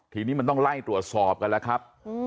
ทีนี้มันต้องไล่ตรวจสอบกันแล้วครับ